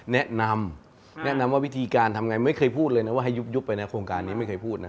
แนะนำแนะนำว่าวิธีการทำไงไม่เคยพูดเลยนะว่าให้ยุบไปนะโครงการนี้ไม่เคยพูดนะ